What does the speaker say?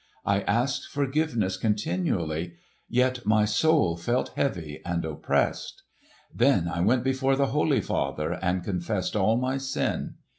I asked forgiveness continually, yet my soul felt heavy and oppressed. Then I went before the Holy Father and confessed all my sin.